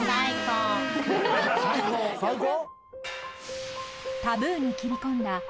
最高？